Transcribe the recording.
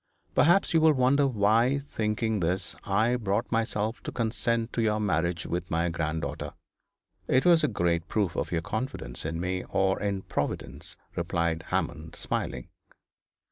Perhaps you will wonder why, thinking this, I brought myself to consent to your marriage with my granddaughter.' 'It was a great proof of your confidence in me, or in Providence,' replied Hammond, smiling.